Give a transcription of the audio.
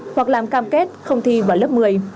hoặc làm cam kết không thi vào lớp một mươi